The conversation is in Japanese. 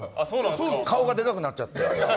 顔がでかくなっちゃったの。